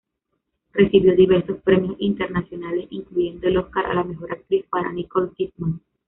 Recibió diversos premios internacionales, incluyendo el Oscar a la mejor actriz para Nicole Kidman.